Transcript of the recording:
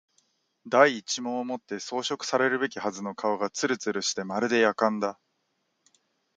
第一毛をもって装飾されるべきはずの顔がつるつるしてまるで薬缶だ